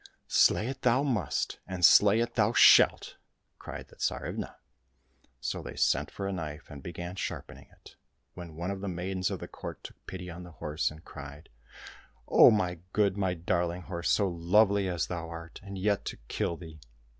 —" Slay it thou must, and slay it thou shalt !" cried the Tsarivna. So they sent for a knife, and began sharpening it, when one of the maidens of the court took pity on the horse, and cried, " Oh, my good, my darling horse, so lovely as thou art, and yet to kill thee